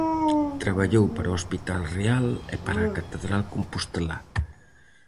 Traballou para o Hospital Real e para a catedral compostelá.